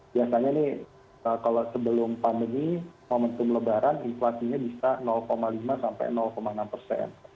biasanya ini kalau sebelum pandemi momentum lebaran inflasinya bisa lima sampai enam persen